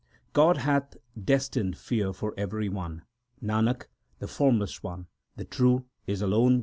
God hath destined fear for every one ; 3 Nanak, the Form less One, the True, is alone without fear.